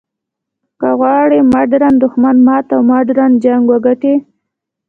که غواړې ماډرن دښمن مات او ماډرن جنګ وګټې.